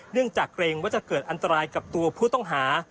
จากเกรงว่าจะเกิดอันตรายกับตัวผู้ต้องหา